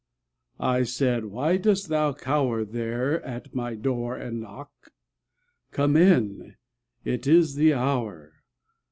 I said, _Why dost thou cower There at my door and knock? Come in! It is the hour!